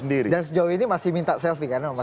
dan sejauh ini masih minta selfie kan mas ganjar